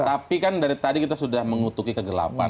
tapi kan dari tadi kita sudah mengutuki kegelapan